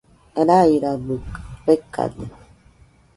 Rairabɨkɨ fekade.